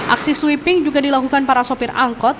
aksi sweeping juga dilakukan para sopir angkot